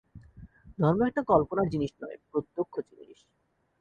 ধর্ম একটা কল্পনার জিনিষ নয়, প্রত্যক্ষ জিনিষ।